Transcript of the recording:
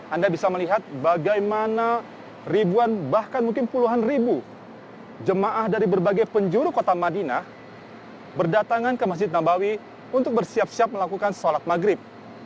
anda bisa melihat bagaimana ribuan bahkan mungkin puluhan ribu jemaah dari berbagai penjuru kota madinah berdatangan ke masjid nabawi untuk bersiap siap melakukan sholat maghrib